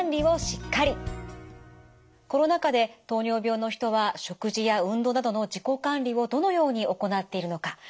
コロナ禍で糖尿病の人は食事や運動などの自己管理をどのように行っているのか。